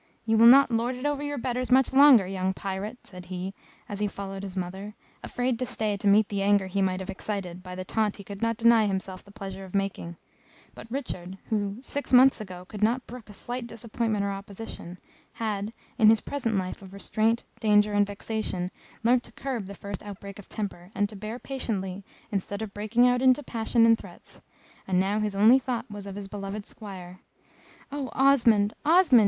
"You will not lord it over your betters much longer, young pirate!" said he, as he followed his mother, afraid to stay to meet the anger he might have excited by the taunt he could not deny himself the pleasure of making; but Richard, who, six months ago could not brook a slight disappointment or opposition, had, in his present life of restraint, danger, and vexation, learnt to curb the first outbreak of temper, and to bear patiently instead of breaking out into passion and threats, and now his only thought was of his beloved Squire. "Oh, Osmond! Osmond!"